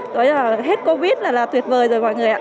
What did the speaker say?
nói là hết covid là tuyệt vời rồi mọi người ạ